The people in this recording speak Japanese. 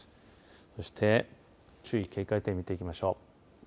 そして、注意警戒点見ていきましょう。